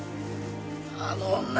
あの女！